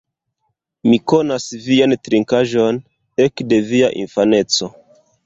Mi konas vian trinkaĵon ekde via infaneco